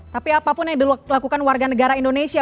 tapi apapun yang dilakukan warga negara indonesia